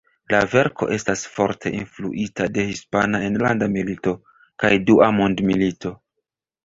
La verko estas forte influita de Hispana enlanda milito kaj Dua mondmilito.